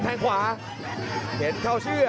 งขวาเห็นเข้าชื่อ